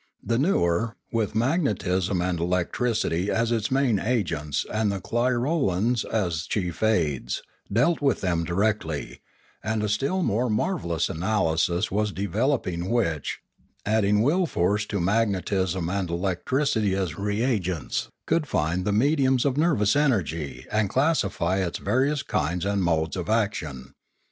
The newer, with magnetism and electricity as its main agents and the clirolans as chief aids, dealt with them directly; and a still more marvellous analysis was developing which, adding will force to magnetism and electricity as reagents, could find the mediums of nervous energy and classify its various kinds and modes of action.